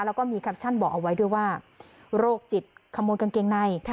แล้วก็มีแคปชั่นบอกเอาไว้ด้วยว่าโรคจิตขโมยกางเกงใน